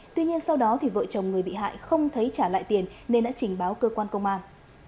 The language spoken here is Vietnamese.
tuy nhiên sau đó vợ chồng người bị hại không thấy trả lại tiền nên đã trình báo cơ quan công an